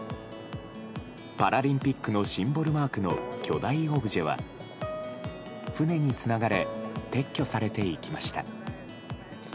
パラリンピックのシンボルマークの巨大オブジェは船につながれ撤去されていきました。